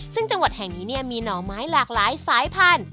ซึ่งจังหวัดแห่งนี้มีหน่อไม้หลากหลายสายพันธุ